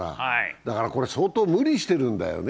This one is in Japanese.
だからこれ、相当無理してるんだよね。